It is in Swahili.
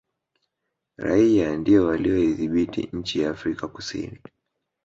raia ndio waliyoidhibiti nchi ya afrika kusini